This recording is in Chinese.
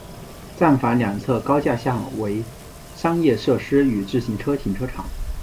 站房两侧高架下为商业设施与自行车停车场。